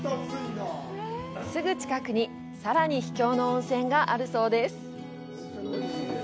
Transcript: すぐ近くにさらに秘境の温泉があるそうです。